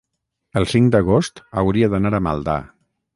el cinc d'agost hauria d'anar a Maldà.